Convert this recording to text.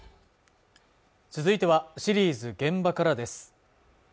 続いてはシリーズ「現場から」です